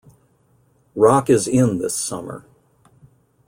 Rock is in this summer.